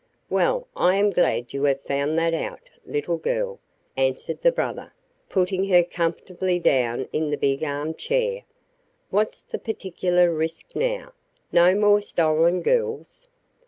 "Well, I am glad you have found that out, little girl," answered the brother, putting her comfortably down in the big armchair. "What's the particular risk now? No more stolen girls?"